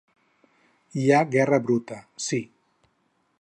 Hi ha guerra bruta, sí.